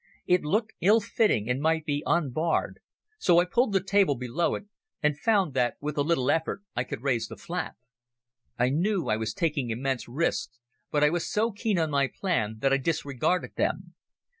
It looked ill fitting and might be unbarred, so I pulled the table below it, and found that with a little effort I could raise the flap. I knew I was taking immense risks, but I was so keen on my plan that I disregarded them.